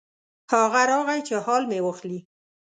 هغه راغی چې حال مې واخلي.